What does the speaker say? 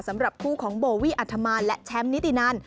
สำหรับคู่ของโบวี่อัธมานและแชมป์นิตินัน